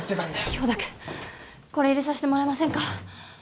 今日だけこれ入れさせてもらえませんか？